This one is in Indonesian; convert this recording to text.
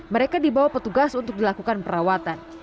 mereka dibawa petugas untuk dilakukan perawatan